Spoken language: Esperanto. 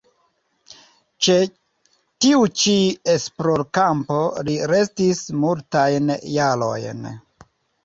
Ĉe tiu ĉi esplorkampo li restis multajn jarojn.